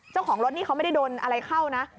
เจ้าของรถนี่เขาไม่ได้โดนอะไรเข้านะ